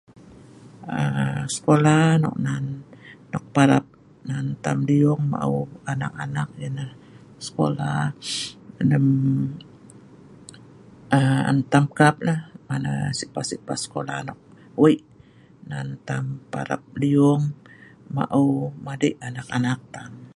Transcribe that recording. aa sekola nok nan nok parap nan tam dung maeu anak anak ialah sekola lem aaa om tam kap la mana sikpah sikpah sekola nok weik nan tam parap liung maeu madik anak anak tam